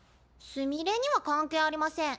すみれには関係ありません。